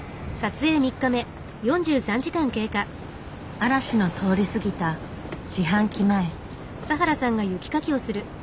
嵐の通り過ぎた自販機前。